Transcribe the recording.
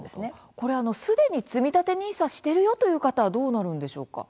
これ、すでにつみたてＮＩＳＡしてるよという方はどうなるんでしょうか？